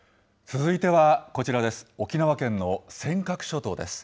続いてはこちらです。